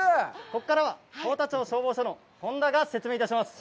ここからは幸田町消防署の本多が説明いたします。